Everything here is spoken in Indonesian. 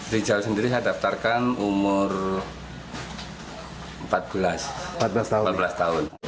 rizal sendiri saya daftarkan umur delapan belas tahun